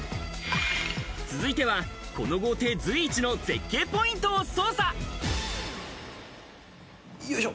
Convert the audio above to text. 続いては、この豪邸随一の絶景ポイントを捜査。